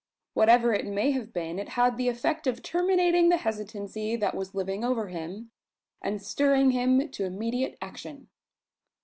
Whatever it may have been, it had the effect of terminating the hesitancy that living over him, and stirring him to immediate action.